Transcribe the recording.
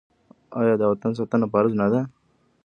آیا د وطن ساتنه فرض نه ده؟